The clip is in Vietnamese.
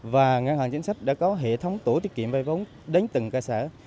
và ngân hàng chính sách đã có hệ thống tổ tiết kiệm vai vốn đến từng ca sở